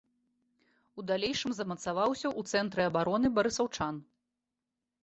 У далейшым замацаваўся ў цэнтры абароны барысаўчан.